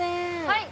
はい。